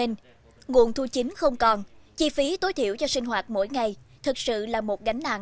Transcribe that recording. nguồn thu chính không còn chi phí tối thiểu cho sinh hoạt mỗi ngày thực sự là một gánh nặng